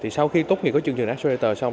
sau khi tốt nghiệp của chương trình accelerator xong